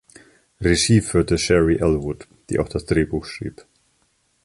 Regie führte Sheri Elwood, die auch das Drehbuch schrieb.